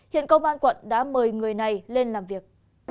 hiện công an quận đã mời người này lên làm việc